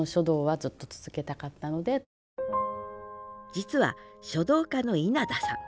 実は書道家の稲田さん。